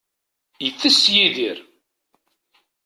Itess Yidir